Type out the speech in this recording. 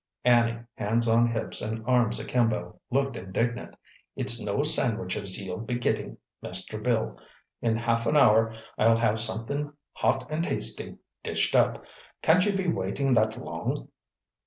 Annie, hands on hips and arms akimbo, looked indignant. "It's no sandwiches ye'll be gettin', Master Bill. In half an hour I'll have something hot and tasty dished up. Can't ye be waitin' that long?"